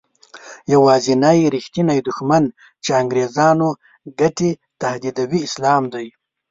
یوازینی رښتینی دښمن چې د انګریزانو ګټې تهدیدوي اسلام دی.